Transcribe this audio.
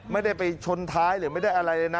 ไม่ได้ไปชนท้ายหรือไม่ได้อะไรเลยนะ